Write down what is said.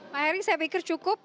pak heri saya pikir cukup